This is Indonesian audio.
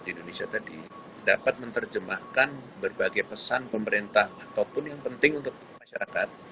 di indonesia tadi dapat menerjemahkan berbagai pesan pemerintah ataupun yang penting untuk masyarakat